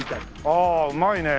ああうまいね。